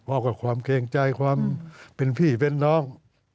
ออกกับความเกรงใจความเป็นพี่เป็นน้อง